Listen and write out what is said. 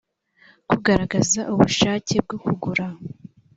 kugaragaza ubushake bwo kugura